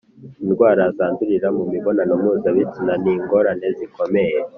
indwara zandurira mu mibonano mpuzabitsina ni ingorane zikomeye